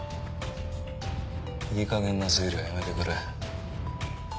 いいかげんな推理はやめてくれ。